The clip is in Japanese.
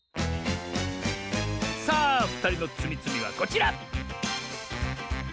さあふたりのつみつみはこちら！